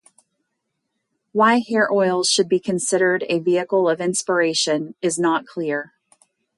Why hair oil should be considered a vehicle of inspiration is not clear.